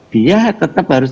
dia tetap harus